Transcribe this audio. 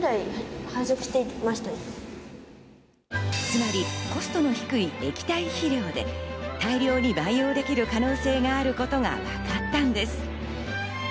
つまり、コストの低い液体肥料で大量に培養できる可能性があることがわかったんです。